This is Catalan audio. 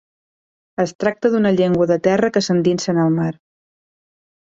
Es tracta d'una llengua de terra que s'endinsa en el mar.